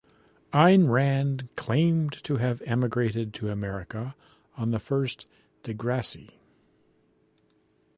Ayn Rand claimed to have emigrated to America on the first "De Grasse".